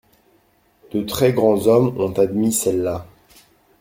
De très grands hommes ont admis celle-là.